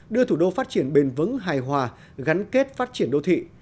đưa thủ đô phát triển bền vững hài hòa gắn kết phát triển đô thị